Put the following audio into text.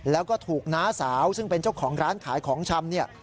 แล้วก็ถูกน้าสาวซึ่งเป็นเจ้าของร้านขายของชำเนี่ย